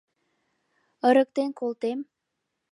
Ырыктен колтем...